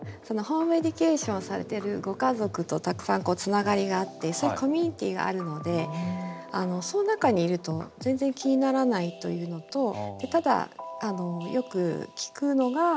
ホームエデュケーションをされてるご家族とたくさんつながりがあってそういうコミュニティがあるのでその中にいると全然気にならないというのと。